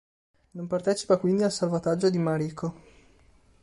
Non partecipa quindi al salvataggio di Mariko.